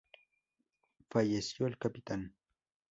Falleció el capitán.